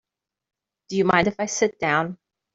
Do you mind if I sit down?